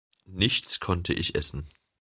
Nichts konnte ich essen.